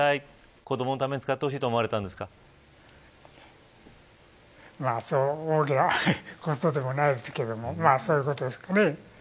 子どものために使ってほしいとまあ、そういうことでもないですけどもまあそういうことですかね。